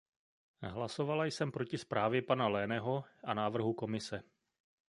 Hlasovala jsem proti zprávě pana Lehneho a návrhu Komise.